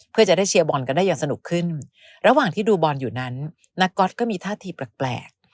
เพื่อจะได้เชียร์บอลกันได้อย่างสนุกขึ้นระหว่างที่ดูบอลอยู่นั้นนักก๊อตก็มีท่าทีแปลก